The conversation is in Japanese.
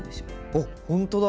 あほんとだ！